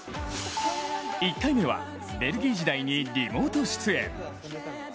１回目はベルギー時代にリモート出演。